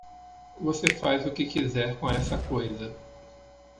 Você faz o que quiser com essa coisa.